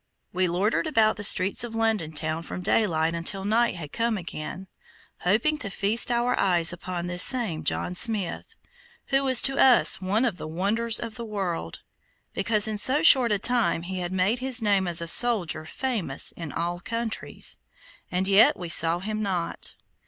We loitered about the streets of London town from daylight until night had come again, hoping to feast our eyes upon this same John Smith, who was to us one of the wonders of the world, because in so short a time he had made his name as a soldier famous in all countries, and yet we saw him not.